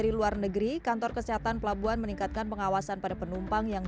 di luar negeri kantor kesehatan pelabuhan meningkatkan pengawasan pada penumpang yang